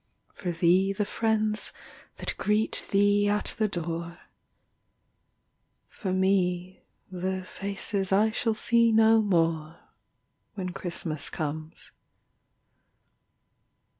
For thee, the friends that greet thee at the door, For me, the faces I shall see no more, When Christmas comes.